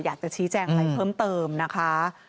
อยากจะชี้แจงอะไรเพิ่มเติมนะคะ